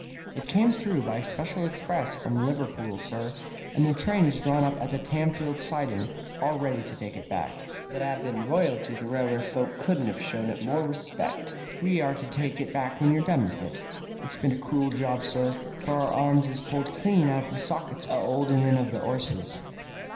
"It came through by special express from Liverpool, sir, and the train is drawn up at the Tamfield siding all ready to take it back. If it 'ad been royalty the railway folk couldn't ha' shown it more respec'. We are to take it back when you're done with it. It's been a cruel job, sir, for our arms is pulled clean out of the sockets a 'olding in of the 'osses."